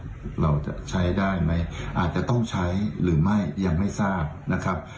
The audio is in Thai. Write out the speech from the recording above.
เราจะใช้ได้ไหมอาจจะต้องใช้หรือไม่ยังไม่ทราบนะครับ